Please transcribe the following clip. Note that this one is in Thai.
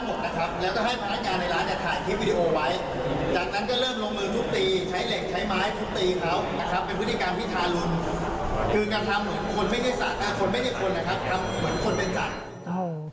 คือการทำเหมือนคนไม่ได้สระคนไม่ใช่คนนะครับทำเหมือนคนเป็นสัตว์